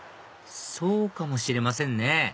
そうかもしれませんね